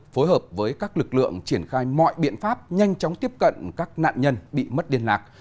phối hợp với các lực lượng triển khai mọi biện pháp nhanh chóng tiếp cận các nạn nhân bị mất liên lạc